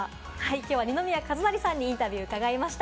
きょうは二宮和也さんにインタビューを伺いました。